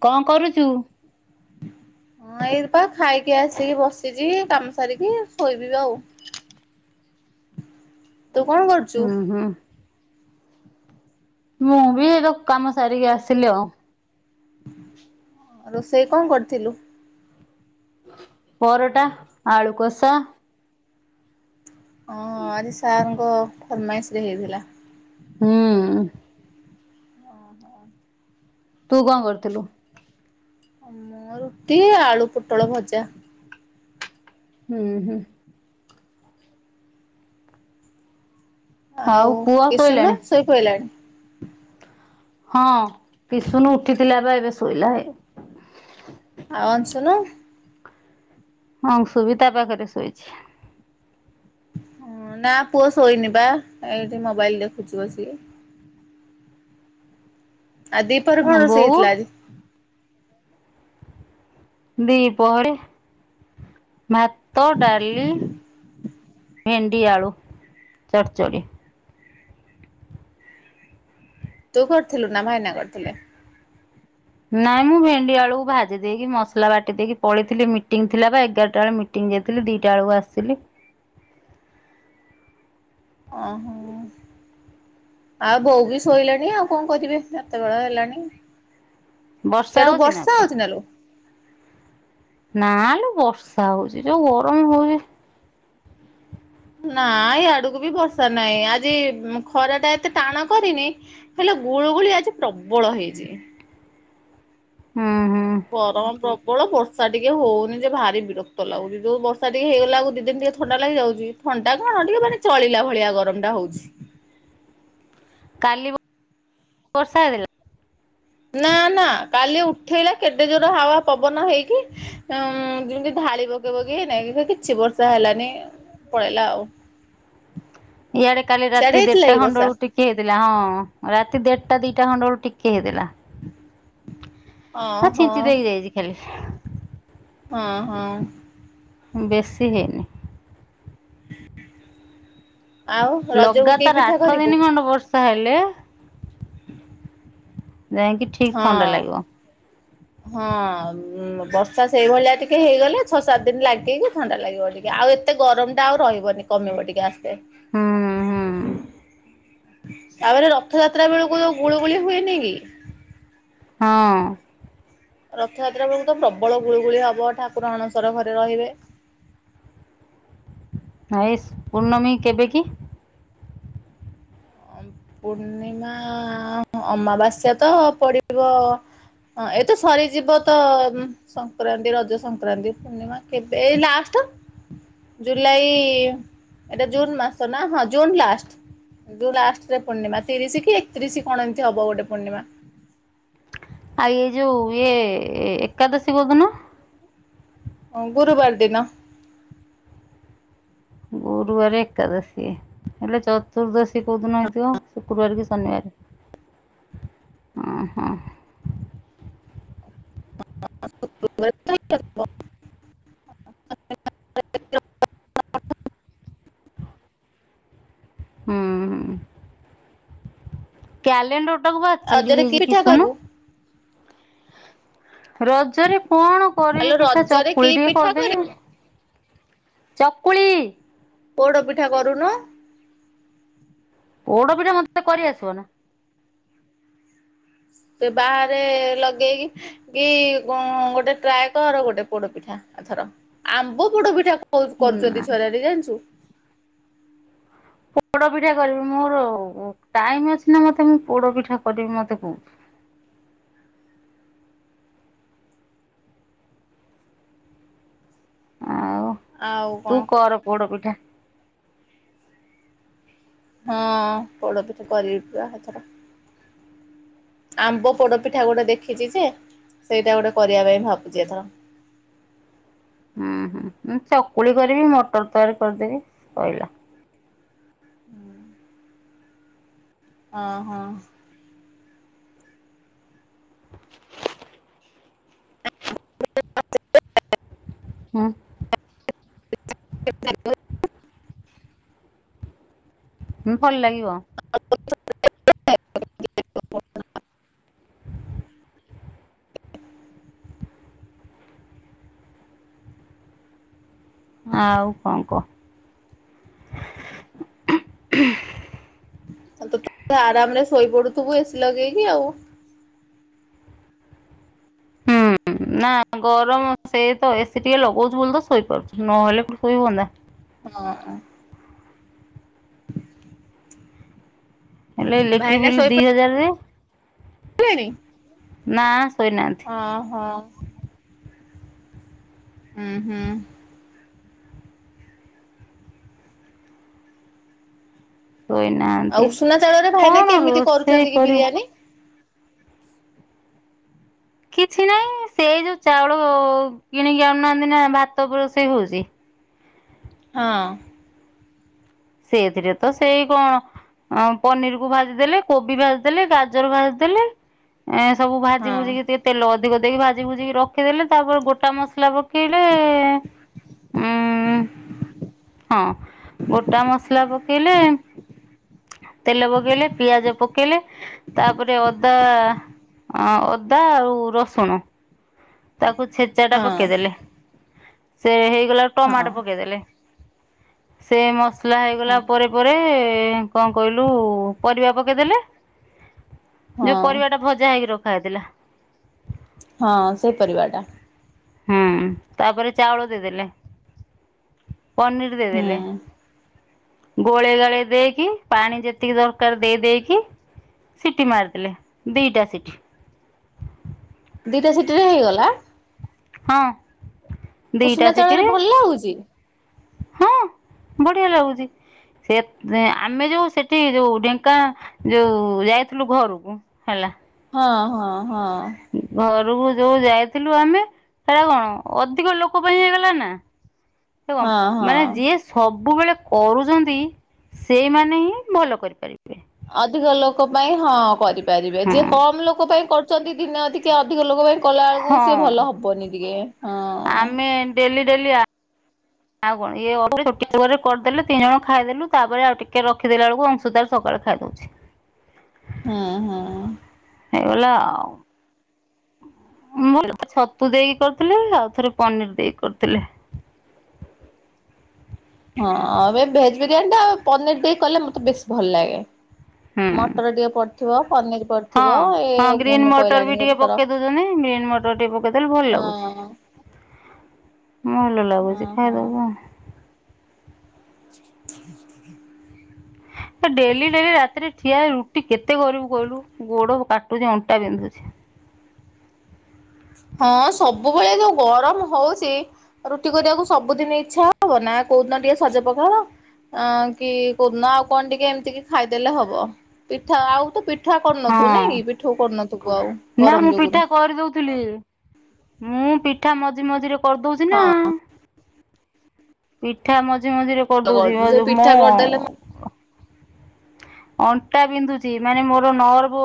ଚୁଉଁ କଁ କରୁଚୁ? ହଁ ଏଇପା ଖାଇକି ଆସିକି ବସିଛି କାମ ସାରିକି ଶୋଇବିବି ଆଉ। ତୁ କଣ କରୁଚୁ? ହୁଁ ହୁଁ ମୁଁ ବି ଏଇ ଦୋକାନ କାମ ସାରିକି ଆସିଲି ଆଉ। ରୋଷେଇ କଣ କରିଥିଲୁ? ପରଟା, ଆଳୁକୋଷା। ଓଁ ଆଜି ସାର୍ ଙ୍କ ଫର୍ ମାଲିଶ୍ ରେ ହେଇଥିଲା। ହୁଁ -ଉଁ -ଉଁ। [inaudible] ତୁ କଁ କରିଥିଲୁ? ମୁଁ ରୁଟି ଆଳୁ ପୋଟଳ ଭଜା। ହୁଁ -ହୁଁ। ଆଉ ପୁଅ କିସନ ଶୋଇଲାଣି? ଶୋଇପଡିଲାଣି। ହଁ ପିସୁନୁ ଉଠିଥିଲା ବା ଏବେ ଶୋଇଲା ହେ ଆଉ ଅଶୁନୁ। ଅଂଶୁ ବି ତା ପାଖରେ ଶୋଇଛି। ହଁ ନା ପୁଅ ଶୋଇନି ବା ଏଇଠି ମୋବାଇଲ୍ ଦେଖୁଛି ବସିକି। ଆଉ ଦିପରେ କଣ ସେ ବୋଉ ହେଇଥିଲା ଆଜି? ଦିପହରେ ଭାତ, ଡାଲି। ଭେଣ୍ଡି, ଆଳୁ ଚଡ଼୍ ଚଡି। ତୁ କରିଥିଲୁ ନା ଭାଇନା କରିଥିଲେ। ନାଇଁ ମୁଁ ଭେଣ୍ଡି ଆଳୁ ଭାଜି ଦେଇକି ମସଲା ବାଟି ଦେଇକି ପଳେଇଥିଲି ମିଟିଂ ଥିଲା ବା ଏଗାରଟା ବେଳେ ମି ଟିଂଗ୍ ଯାଇଥିଲି ଦିଟା ବେଳକୁ ଆସିଲି। ଅଁ-ହୁଁ। ଆଉ ବୋଉ ବି ଶୋଇଲାଣି ଆଉ କଣ କରିବେ, ଏତେବେଳ ହେଲାଣି। ବର୍ଷା ସିଆଡୁ ହଉଛି ବର୍ଷା ଏବେ? ହୋଉଛି ନା ଲୋ। ନା ଲୋ ବର୍ଷା ହୋଉଚି ଯୋଉ ଗରମ୍ ହୋଉଚି। ନା ଇଆଡକୁ ବି ବର୍ଷା ନାହିଁ, ଆଜି ଖରା ଟା ଏତେ ଟାଣ କରିନି। ହେଲେ ଗୁଳୁଗୁଳି ଆଜି ପ୍ରବଳ ହେଇଛି। ହୁଁ ହୁଁ ଗରମ ପ୍ରବ ପ୍ରବଳ ବର୍ଷା ଟିକେ ହୋଉନି ଯେ ଭାରି ବିରକ୍ତ ଲାଗୁଛି, ଯୋଉ ବର୍ଷା ଟିକେ ହେଇଗଲା ଆକୁ ଦି ଦିନ ଟିକେ ଥଣ୍ଡା ଲାଗିଯାଉଛି। ଥଣ୍ଡା କଣ ଟିକେ ମାନେ ଚଳିଲା ଭଳିଆ ଗରମ୍ ଟା ହଉଛି। କାଲି ବର୍ଷା ହେଇଥିଲା? ନା ନା କାଲି ଉଠେଇଲା କେତେ ଜୋର ହାୱା ପବନ ଦେଇକି। ଉଁ ଯେମିତି ଢାଳି ବଗେଇ ବଗେଇ ହେ ନାଇ କିଛି ବର୍ଷା ହେଲାନି। ପଳେଇଲା ଆଉ। ଇଆଡେ କାଲି ସିଆଡେ ରାତି ହେଇଥିଲା ଦିଟା କି ଖଣ୍ଡ ବର୍ଷା ବେଳକୁ ଟି ଟିକେ ହେଇଥିଲା ହଁ ରାତି ଦେ। ଢଟା ଦିଟା ଖଣ୍ଡ ବେଳୁ ଟିକେ ହେଇଥିଲା। ହ ଓହୋ ଛିଞ୍ଚି ଦେଇକି ଯାଇଛି ଖାଲି। ହଁ- ହଁ। ବେଶୀ ହେଇନି। ଆଉ ରଜକୁ କି ଲଗାତାର୍ ପିଠା ଆଠ କରିବୁ? ଦିନ ଖଣ୍ଡେ ବର୍ଷା ହେଲେ। [inaudible] ନାଇଁ କି ହଁ ହଁ। ଉଁ ବର୍ଷା ସେଇଭଳିଆ ଟିକେ ହେଇଗଲେ ଛଅ ସାତ ଦିନ ଲାଗିକି ଥଣ୍ଡା ଲାଗିବ ଟିକେ ଆଉ ଏତେ ଗରମ ଟା ଆଉ ରହିବନି। କମିବ ଟିକେ ଆସ୍ତେ। ହୁଁ ହୁଁ ତାପରେ ରଥଯାତ୍ରା ବେଳକୁ ଯୋ ଗୁଳୁଗୁଳି ହୁଏନି କି। ହଁ। ରଥଯାତ୍ରା ବେଳକୁ ତ ପ୍ରବଳ ଗୁଳୁଗୁଳି ହବ ଠାକୁର ଅଣଶର ଘରେ ରହିବେ। ହାଏସ୍ ପୂର୍ଣ୍ଣମୀ କେବେ କି? ପୂର୍ଣ୍ଣିମା ଅ ଅମାବାସ୍ୟା ତ ପଡି଼ବ ହଁ ଏତ ସରିଯିବ ତ ସଂକ୍ରାନ୍ତି ରଜ ସଂକ୍ରାନ୍ତି ତ। ପୂର୍ଣିମା କେବେ ଏ ଲାଷ୍ଟ। ଜୁଲାଇ ଏଟା ଜୁନ୍ ମାସ ନାଁ ହଁ ଜୁନ୍ ଲାଷ୍ଟ। ଜୁନ ଲାଷ୍ଟରେ ପୂର୍ଣ୍ଣିମା ତିରିଶ କି ଏକତିରିଶ କଣ ଏମତି ହବ ଗୋଟେ ପୂର୍ଣ୍ଣିମା। ଆଉ ଏ ଯୋ ଇଏ ଏ ଏକାଦଶୀ କୋଉଦିନ? ହଁ ଗୁରୁବାର ଦିନ। ଗୁରୁବାରେ ଏକାଦଶୀ ହେଲେ ଚ ଚତୁର୍ଦ୍ଦଶୀ କଉଁଦିନ ହେଇଥିବ ଶୁକ୍ରବାର କି ଶନିବାର ହଁ ହଁ। [unintelligible] ହୁଁ। କ୍ୟାଲେଣ୍ଡରଟାକୁ ବା ଚିରି ରଜରେ କି ଦେଇଚି ପିଠା କରିବୁ? କିଶିନୁ। ରଜରେ କଣ ଆଲୋ କରିବି ପିଠା ରଜରେ କି ଚକୁଳି ଟିକେ ପିଠା କରିଦେବି କରିବୁ ଆଉ। ଚକୁଳି। ପୋଡ଼ ପିଠା କରୁନୁ। ପୋଡ଼ ପିଠା ମତେ କରି ଆସିବ ନା ସେ ବାହାରେ ଲଗେଇକି କି କଣଗୋଟେ ଟ୍ରାଏ କର ଗୋଟେ ପୋଡ଼ପିଠା ଏଥର ଆମ୍ବ ପୋଡପିଠା କର। ବହୁତ ନା କରୁଚନ୍ତି ଛୁଆମାନେ ଜାଣଚୁ। ପୋଡ଼ ପିଠା କରିବି ମୋର ଟାଇମ ଅଛି ନା ମତେ ମୁଁ ପୋଡ଼ ପିଠା କରିବି ମତେ କହୁଛୁ। ଆଉ ଆଉ କଣ ତୁ କହ କର ପୋଡ଼ ପିଠା। ହଁ ପୋଡ଼ପିଠା କରିବି ପା ଏଥର। ଆମ୍ବ ପୋଡ଼ପିଠା ଗୋଟେ ଦେଖିଚି ଯେ ସେଇଟା ଗୋଟେ କରିବା ପାଇଁ ଭାବୁଚି ଏଥର। ହୁଁ ହୁଁ ମୁ ଚକୁଳି କରିବି ମଟର ତରକାରି କରିଦେବି ସଇଲା। ଅହଁ। ହୁଁ। [unintelligible] ହୁଁ ଭଲ ଲାଗିବ। [unintelligible] ଆଉ କଁ କଅ? ତୁ ଆରାମ ରେ ଶୋଇପଡୁଥିବୁ ଏସି ଲଗେଇକି ଆଉ। ହୁଁ ହୁଁ ନାଁ ଗରମ ସେ ତ ଏସି ଟିକେ ଲଗଉଚୁ ବୋଲି ତ ଶୋଇପାରୁଚି ନହେଲେ କୋଉଠି ଶୋଇ ହୁଅନ୍ତା। ହଁ। ହେଲେ ଇଲେକ୍ଟ୍ରି ବିଲ୍ ଦିଇ ହଜାରେ। ଟିଆଣି ଶୋଇନାହାନ୍ତି ଓ ହ। ହୁଁ ହୁଁ। ତୁ ଏଇନା ଆଉ ଉଷୁନା ଚାଉଳରେ ଭାଇନା କେମିତି କରୁଛନ୍ତି କି କରିବୁ ବିରିୟାନୀ? କିଛି ନାହିଁ ସେଇ ଯୋଉ ଚାଉଳ କିଣିକି ଆଣୁନାହାନ୍ତି ନା ଭାତ ରୋଷେଇ ହଉଛି। ହଁ। ସେଇଥିରେ ତ ସେଇ କଣ ଆ, ପନିର କୁ ଭାଜିଦେଲେ, କୋବି ଭାଜିଦେଲେ, ଗାଜର ଭାଜିଦେଲେ। ଏଁ ସବୁ ହଁ ଭାଜି ଭୁଜିିକି ତେ ତେଲ ଅଧିକ ଦେଇକି ଭାଜି ଭୁଜିିକି ରଖିଦେଲେ ତାପରେ ଗୋଟା ମସଲା ପକେଇଲେ। ଉଁ [inaudible] ହଁ। ଟା ମସଲା ପକାଇଲେ ତେଲ ପକେଇଲେ ପିଆଜ ପକେଇଲେ ତାପରେ ଅଦା ଆ, ଅଦା ଆଉ ରସୁଣ ତାକୁ ଛେଚା ଟା ହଁ ପକେଇଦେଲେ ସେ ହେଇଗଲା ହଁ ଟମାଟୋ ପକେଇଦେଲେ। [unintelligible] ସେ ମସଲା ହେଇଗଲା ହଁ। ପରେ ପରେ କଣ କହିଲୁ ପରିବା ପକେଇଦେଲେ। [unintelligible] ଯୋଉ ପରିବା ଟା ଭଜା ହେଇକି ରଖା ହେଇଥିଲା। ହଁ ସେଇ ପରିବାଟା। ହଁ ତାପରେ ଚାଉଳ ଦେଇଦେଲେ ପନିର୍ ହୁଁ ଦେଇଦେଲେ। ଗୋଳେଇ ଗାଳି ଦେଇକି ପାଣି ଯେତିକି ଦରକାର ଦେଇ ଦେଇକି ସିଟି ମାରିଥିଲେ ଦିଇଟା ସିଟି। ଦିଟା ସିଟି ରେ ହେଇଗଲା? ହଁ ଦିଟା ସିଟିରେ। ହଁ। ବଢିଆ ଲାଗୁଚି। ସେ ଯେ ଆମେ ଯୋଉ ସେଠି ଯୋଉ ଢେଙ୍କା ଯୋଉ ଯାଇଥିଲୁ ଘରକୁ ହେଲା। ହଁ, ହଁ, ହଁ। ଘରକୁ ଯୋଉ ଯାଇଥିଲୁ ଆମେ ସେଟା କଣ ଅଧିକ ଲୋକ ପାଇଁ ହେଇଗଲା ନା? ସେ କଣ ହଁ ମାନେ ହଁ। ଯିଏ ସବୁବେଳେ କରୁଛନ୍ତି ସେଇମାନେ ହିଁ ଭଲ କରିପାରିବେ। ଅଧିକ ଲୋକ ପାଇଁ ହଁ କରିପାରିବେ। ହଁ ଯିଏ କମ ଲୋକ ପାଇଁ କରୁଚନ୍ତି ଦିନେ ଅଧିକା ଅଧିକ ଲୋକ ପାଇଁ କଲା ବେଳକୁ ସିଏ ହଁ ଭଲ ହବନି ଟିକେ ହଁ। ଆମେ ଡେଲି ଡେଲି ଆ ଆଉ କଣ ଇଏ ଅଧେ ଗୋଟେ ଥରେ କରିଦେଲେ ତିନି ଜଣ ଖାଇଦେଲୁ ତାପରେ ଆଉ ଟିକେ ରଖିଦେଲା ବେଳକୁ ଅଂଶୁ ତାର ସକାଳେ ଖାଇଦଉଛି। ହଁ, ହଁ। ହେଇଗଲା ଆଉ। ଆମର ଛତୁ ଦେଇକି କରିଥିଲେ ଆଉ ଥରେ ପନିର୍ ଦେଇକି କରିଥିଲେ। ହଁ ଆଉ ଏ ଭେଜ୍ ବିରିୟାନୀ ଟା ଆଉ ପନିର୍ ଦେଇ କଲେ ମୋତେ ବେଶ ଭଲ ଲାଗେ। ହୁଁ। ମଟର ଟିକେ ପଡିଥିବ ପନିରି କରିଥିବ ହଁ ଏ ହଁ ଗ୍ରୀନ୍ ଗୁନୁ ମଟର ବି କହିଲାଣି ଟିକେ କେତେଥର ପକେଇ ଦଉଛନ୍ତି ଗ୍ରୀନ୍ ମଟର ଟିକେ ପକେଇଦେଲେ ଭଲ ହଁ। ମଲ ଲାଗୁଛି ହଁ ହଁ। ଖାଇଦବୁ କଣ? [inaudible] ଏ ଡେଲି ଡେଲି ରାତିରେ ଠିଆ ହେଇ ରୁଟି କେତେ କରିବୁ କହିଲୁ ଗୋଡ କାଟୁଚି ଅଣ୍ଟା ବିନ୍ଧୁଛି। ହଁ ସବୁବେଳେ ଯୋଉ ଗରମ ହଉଚି। ରୁଟି କରିବାକୁ ସବୁଦିନ ଇଚ୍ଛା ହବ ନା କୋଉଦିନ ଟିକେ ସଜପଖାଳ। ଅ କି କଉଦନ ଆଉ କଣ ଟିକେ ଏମିତି କି ଖାଇଦେଲେ ହବ ପିଠା ଆଉ ତ ପି ପିଠା କରନଥୁ ନାଇଁ ହଁ କି ପିଠଉ କରୁନଥିବୁ ଆଉ ନା ମୁଁ ଗରମ ପିଠା ଯୋଗୁରୁ? କରିଦଉଥିଲି। ମୁଁ ପିଠା ମଝି ମଝିରେ କରିଦଉଛି ନା ହଁ। ପିଠା ମଝି ମଝିରେ ଭଲ କରି ଦଉଛି କରୁଛୁ ସେ ଭାଉଜ ମ ପିଠା କରିଦେଲେ ଅଣ୍ଟା ବିନ୍ଧୁଛି ମାନେ ମୋର ନର୍ଭ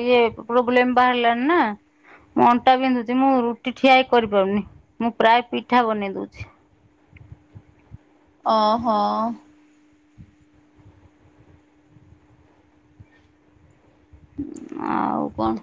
ଇଏ ପ୍ରୋବ୍ଲେମ ବାହାରିଲାନା। ମୁଁ ଅଣ୍ଟା ବିନ୍ଧୁଛି ମୁଁ ରୁଟି ଠିଆ ହେଇ କରିପାରୁନି ମୁଁ ପ୍ରାୟ ପିଠା ବନେଇ ଦଉଛି। ଅ ହ। ଆଉ କଣ?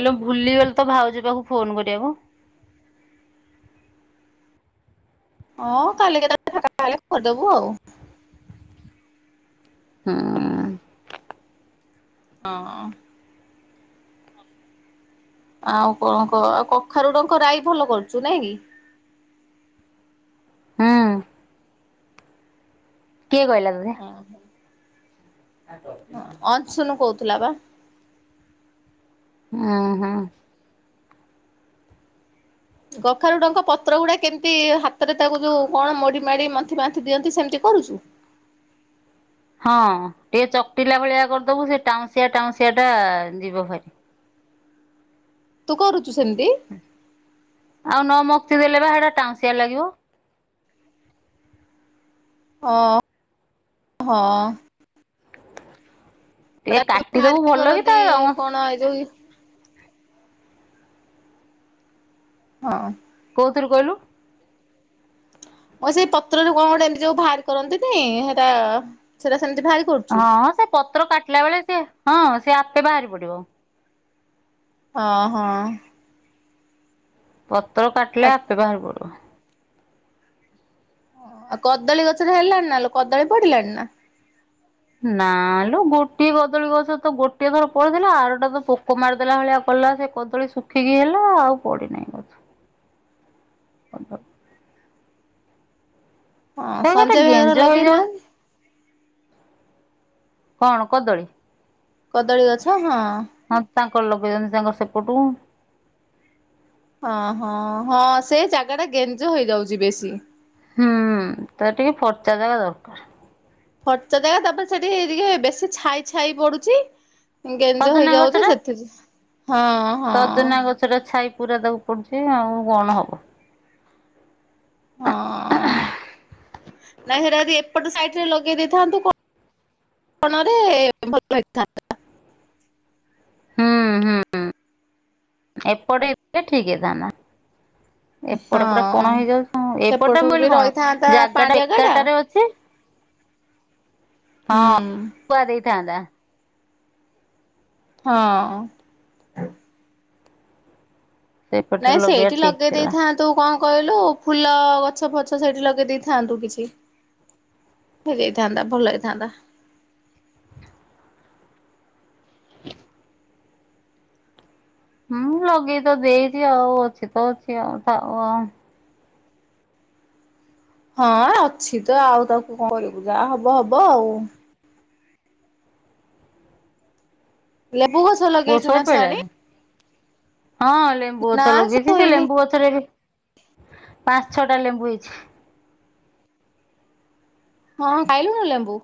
ହେଲୋ ଭୁଲିଗଲି ତ ଭାଉଜ ପାଖକୁ ଫୋନ କରିବାକୁ। ହଁ କାଲି କେତେ ବେଳେ ଫାଙ୍କା ହେଲେ କରଦବୁ ଆଉ। ହୁଁ। ହଁ। ଆଉ କଣ କ ଆଉ କଖାରୁଡଙ୍କ ରାଈ ଭଲ କରୁଛୁ ନାଇଁ କି। ହୁଁ। କିଏ କହିଲା ତତେ? ଅ ହଁ। ହ ଅଂସୁନ କହୁଥିଲା ବା। ଉଁ ହୁଁ। ଗଖାରୁଡଙ୍କ ପତ୍ର ଗୁଡା କେମିତି ହାତରେ ତାକୁ ଯୋଉ କଣ ମୋଡି ମାଡି ମନ୍ନ୍ତି ମାନ୍ତି ଦିଅନ୍ତି ସେମିତି କରୁଛୁ। ହଁ ଟିକେ ଚକଟିଲା ଭଳିଆ କରିଦବୁ ସେ ଟାଉଁସିଆ ଟାଉଁସିଆ ଟା ଯିବ ଭରି। ତୁ କରୁଚୁ ସେମିତି। ଆଉ ନମକ୍ତି ଦେଲେ ବା ସେଟା ଟାଁସିଆ ଲାଗିବ। ଓ ହଁ। ଟିକେ ଆଉ ତା କାଟିଦବୁ ବାହାରି ଭଲ କି କରନ୍ତି ତା କଣ ଏଇ ଯୋଉ ହଁ। କୋଉଥିରୁ କହିଲୁ। ଅ ସେଇ ପତ୍ରରୁ କଣ ଗୋଟେ ଏମିତି ଯୋଉ ବାହାରି କରନ୍ତିନି ସେଟା ସେଟା ସେମିତି ଭାରି ହଁ ସେ ପତ୍ର କାଟିଲା ବେଳେ ସେ ହଁ ସେ ଆପେ ବାହାରି ପଡିବ। ଅ ହଁ। ପତ୍ର ଆଉ କାଟିଲେ ଆପେ ବାହାର ପଡିବ। ଆଉ କଦଳୀ ଗଛରେ ହେଲଲାଣି ନା ଲୋ କଦଳୀ ପଢିଲାଣି ନା। ନା ଲୋ ଗୋଟିଏ କଦଳୀ ଗଛ ତ ଗୋଟିଏ ଥର ପଇଥିଲା ଆରଟା ତ ପୋକ ମାରିଦେଲା ଭଳିଆ କଲା ସେ କ ଦଳି ଶୁଖିକି ହେଲା ଆଉ ପଡ଼ିନାହିଁ। ହ କନ [unintelligible] ହଁ ସେ ଗୋଟେ ସଞ୍ଜୟ ବେହେରାର ଗେଞ୍ଜ ହେଇଯାଉଛି ଲଗେଇନାନ୍ତି। କଣ କଦଳୀ? କଦଳୀ ଗଛ ହଁ। ହଁ ତାଙ୍କର ଲଗେଇଛନ୍ତି ତାଙ୍କର ସେପଟୁ। ହଁ ହଁ ହଁ ସେ ଜାଗା ଟା ଗେଞ୍ଜ ହେଇଯାଉଛି ବେଶୀ। ହୁଁ ତାର ଟିକେ ଫର୍ଚା ଜାଗା ଦରକର। ଫର୍ଚା ଜାଗ ତାପରେ ସେଠି ଟିକେ ବେଶୀ ଛାଇ ଛାଇ ପଡୁଛି। ଗେଞ୍ଜ ସଜନା ଗଛ ହେଇଯାଉଛି ଟା ସେଥିରେ ହଁ ହଁ। ସେଟା ଛାଇ ପୁରା ତାକୁ ପଡୁଛି ଆଉ କଣ ହବ। ହଁ ନାଇ ହେରାଦି ଏପଟ ସାଇଟରେ ଲଗେଇ ଦେଇଥାନ୍ତୁ କଣ କଣରେ ଭଲ ଲଗିଥାନ୍ତା। ହୁଁ ହୁଁ ଏପଟେ ହେଇଥିଲେ ଠିକ୍ ହେଇଥାନ୍ତା। ହ ଏପଟ ପୁରା କଣ ହଁ ହେଇଯାଉଛି ଏପଟଟା ମୁଁ ସେପଟକୁ କହିଲି ବି କଣ ରହିଥାନ୍ତା ପାଞ୍ଚ ଜାଗା ଟା ଏକାଟାରେ ଅଛି ହଁ ହୁଁ ପୁଆ ଦେଇଥାନ୍ତା। ହଁ। ସେପଟରେ ନାଇଁ ଲଗେଇବା ସେଇଠି ଠିକ ଲଗେଇ ଥିଲା। ଦେଇଥାନ୍ତ ତୁ କଣ କହିଲୁ ଫୁଲ ଗଛ ଫଛ ସେଇଠି ଲଗେଇ ଦେଇେଇଥାନ୍ତୁ କିଛି। ଭୋଗଇଥାନ୍ତା ଭଲ ହେଇଥାନ୍ତା। [inaudible] ହୁଁ ଲଗେଇ ତ ଦେଇଛି ଆଉ ଅଛି ତ ଅଛି ଆଉ ଥାଉ ଆଉ। ହଁ ଅଛି ତ ଆଉ ତାକୁ କଣ କରିବାକୁ ଯା ହବ ହବ ଆଉ। ଲେମ୍ବୁ ଗଛ ପୁଅ ଲଗେଇଛୁ ଶୋଇ ନା ଛୁଆଣି? ପଇଲାନି ହଁ ଲେମ୍ବୁ ନା ଗଛ ଲଗେଇଛି ସେ ଶୋଇନି ଲେମ୍ବୁ ଗ ତରେବି ପାଞ୍ଚ ଛଅଟା ଲେମ୍ବୁ ହେଇଛି। ହଁ ଖାଇଲୁୁ ଲେମ୍ବୁ?